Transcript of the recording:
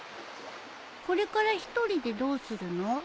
これから一人でどうするの？